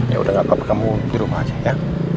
ya udah gak apa apa kamu duduk aja ya